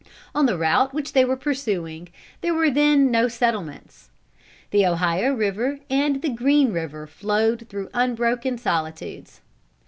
On the route which they were pursuing, there were then no settlements. The Ohio river and the Green river flowed through unbroken solitudes.